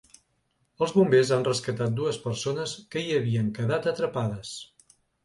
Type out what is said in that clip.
Els bombers han rescatat dues persones que hi havien quedat atrapades.